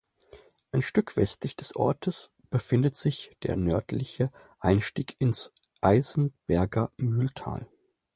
Ein Stück westlich des Ortes befindet sich der nördliche Einstieg ins Eisenberger Mühltal.